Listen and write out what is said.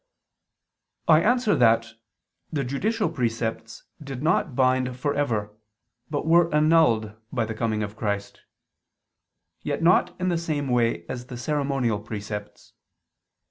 I answer that, The judicial precepts did not bind for ever, but were annulled by the coming of Christ: yet not in the same way as the ceremonial precepts.